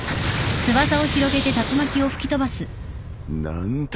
何だ？